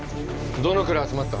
どのくらい集まった？